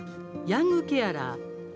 「ヤングケアラー